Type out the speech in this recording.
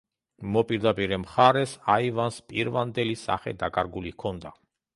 მოპირდაპირე მხარეს აივანს პირვანდელი სახე დაკარგული ჰქონდა.